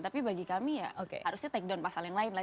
tapi bagi kami ya harusnya take down pasal yang lain lah